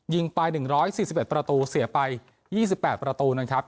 ยิงไปหนึ่งร้อยสี่สิบเอ็ดประตูเสียไปยี่สิบแปดประตูนะครับ